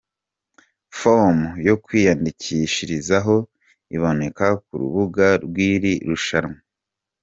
Form yo kwiyandikishirizaho iboneka ku rubuga rw'iri rushanwa.